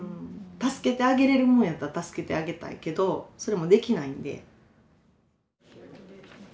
助けてあげれるもんやったら助けてあげたいけどそれもできないんで。